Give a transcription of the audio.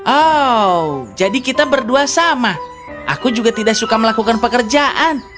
oh jadi kita berdua sama aku juga tidak suka melakukan pekerjaan